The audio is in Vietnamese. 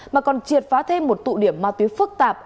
mà còn triệt phá thêm một tụ điểm ma túy phức tạp